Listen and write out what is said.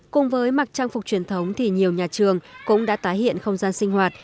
cùng với mặc trang phục truyền thống thì nhiều nhà trường cũng đã tái hiện không gian sinh hoạt